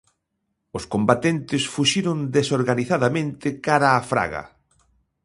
Os combatentes fuxiron desorganizadamente cara á fraga.